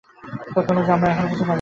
তথ্য অনুযায়ী আমরা এখনও কিছু দেখতে পাইনি।